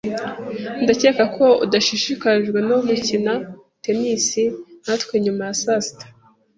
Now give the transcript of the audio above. Ndakeka ko udashishikajwe no gukina tennis natwe nyuma ya saa sita.